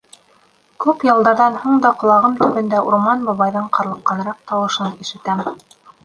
Күп йылдарҙан һуң да ҡолағым төбөндә Урман бабайҙың ҡарлыҡҡаныраҡ тауышын ишетәм: